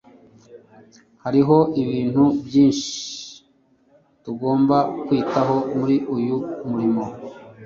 Hariho ibintu byinshi tugomba kwitaho muri uyu murimo